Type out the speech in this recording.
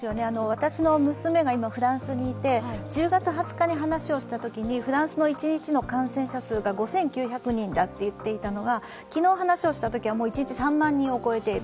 私の娘が今、フランスにいて１０月２０日に話をしたときにフランスの一日の感染者が５９００人だと言っていたのが昨日話をしたら１日３万人を超えている。